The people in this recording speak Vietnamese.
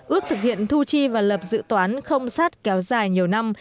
ước thực hiện thu chi và lập dự toán không sát kéo dài nhiều năm